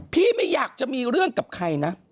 ไม่อยากจะมีเรื่องกับใครนะ